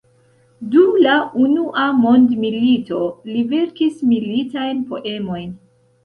Dum la unua mondmilito li verkis militajn poemojn.